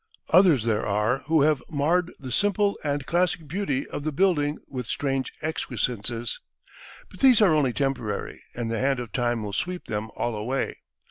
Others there are who have marred the simple and classic beauty of the building with strange excrescences. But these are only temporary, and the hand of time will sweep them all away.